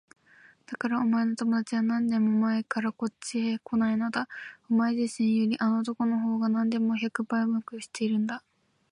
だからお前の友だちは何年も前からこっちへこないのだ。お前自身よりあの男のほうがなんでも百倍もよく知っているんだ。